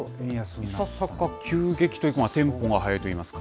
いささか急激というか、テンポが速いといいますか。